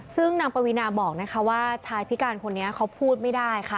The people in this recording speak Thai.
ซึ่งนางปวีนาบอกนะคะว่าชายพิการคนนี้เขาพูดไม่ได้ค่ะ